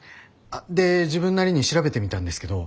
で自分なりに調べてみたんですけど。